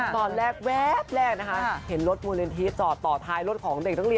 ตอนแรกแว๊บแรกนะคะเห็นรถมูลเรนทรีปจอดต่อท้ายรถของเด็กเขาตกใจ